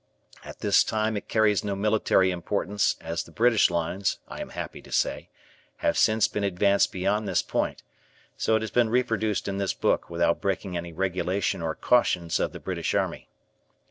At this time it carries no military importance as the British lines, I am happy to say, have since been advanced beyond this point, so it has been reproduced in this book without breaking any regulation or cautions of the British Army.